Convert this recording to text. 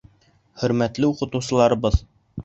Хөрмәтле уҡытыусыларыбыҙ!